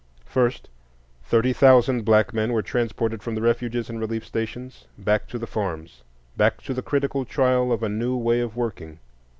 First, thirty thousand black men were transported from the refuges and relief stations back to the farms, back to the critical trial of a new way of working.